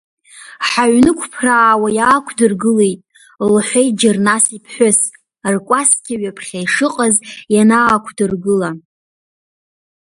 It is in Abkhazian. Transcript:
Ҳаҩны ықәԥраауа иаақәдыргылеит, — лҳәеит Џьарнас иԥҳәыс, ркәасқьа ҩаԥхьа ишыҟаз ианаақәдыргыла.